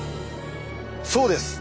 そうです！